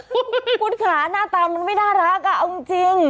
ขวดขาหน้าตามันไม่น่ารักเอายังจริง